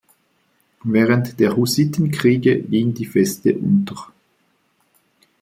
Während der Hussitenkriege ging die Feste unter.